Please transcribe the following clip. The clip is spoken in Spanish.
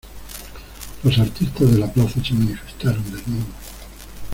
Los artistas de la plaza se manifestaron desnudos.